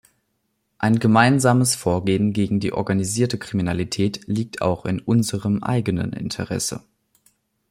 Ein gemeinsames Vorgehen gegen die organisierte Kriminalität liegt auch in unserem eigenen Interesse.